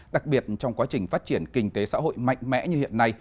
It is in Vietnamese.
đặc biệt trong quá trình phát triển kinh tế xã hội mạnh mẽ như hiện nay